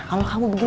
aku mau pergi